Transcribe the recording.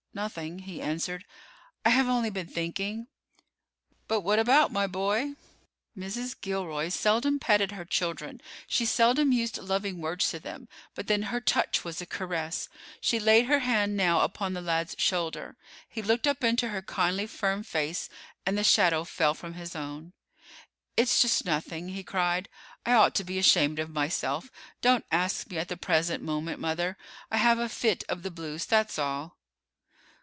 "Nothing," he answered. "I have only been thinking." "But what about, my boy?" Mrs. Gilroy seldom petted her children, she seldom used loving words to them; but then her touch was a caress. She laid her hand now upon the lad's shoulder; he looked up into her kindly firm face; and the shadow fell from his own. "It's just nothing," he cried. "I ought to be ashamed of myself. Don't ask me at the present moment, mother. I have a fit of the blues, that's all."